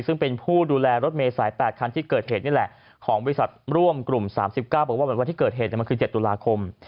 ซึ่งเป็นผู้ดูแลรถเมษาย๘คันที่เกิดเหตุนี่แหละของบริษัทร่วมกลุ่ม๓๙บอกว่าวันที่เกิดเหตุมันคือ๗ตุลาคม